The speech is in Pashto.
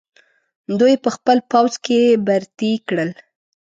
دوی یې په خپل پوځ کې برتۍ کړل.